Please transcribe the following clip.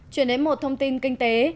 chuyển đến một thông tin kinh tế